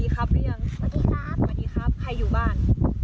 ไข้อ่ะนะคะบ้ัน